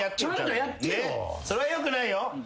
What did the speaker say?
それはよくないよ。